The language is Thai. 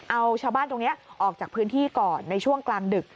เอาชาวบ้านตรงนี้ออกจากพื้นที่ก่อนในช่วงกลางดึก